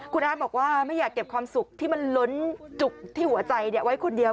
คุณอาร์ดบอกว่าไม่อยากเก็บความสุขที่มันโรนส์จุล์ดที่หัวใจเนี่ยไว้กับคนเดียว